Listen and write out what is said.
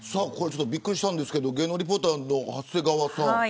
ちょっとびっくりしたんですけれど芸能リポーターの長谷川さん。